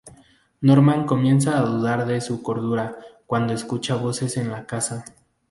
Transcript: Norman comienza a dudar de su cordura cuando escucha voces en la casa.